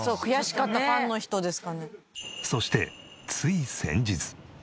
そしてつい先日。